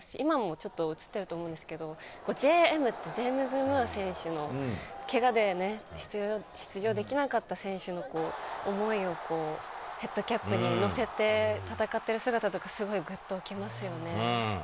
今もちょっと映ってると思うんですけれど、「ＪＭ」って、ジェームス・ムーア選手のけがで出場できなかった選手の思いをヘッドキャップに乗せて戦ってる姿とか、すごいグッときますよね。